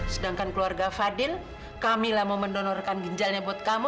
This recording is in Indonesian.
sedangkan keluarga fadil kamilah mau mendonorkan ginjalnya buat kamu